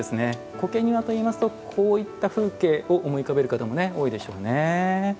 苔庭といいますとこういった風景を思い浮かべる方も多いでしょうね。